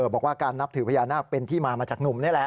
บอกว่าการนับถือพญานาคเป็นที่มามาจากหนุ่มนี่แหละ